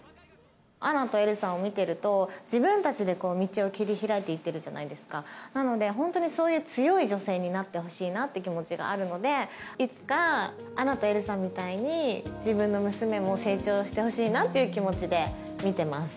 アナとエルサを見てると自分達で道を切り開いていってるじゃないですかなのでホントにそういう強い女性になってほしいなって気持ちがあるのでいつかアナとエルサみたいに自分の娘も成長してほしいなっていう気持ちで見てます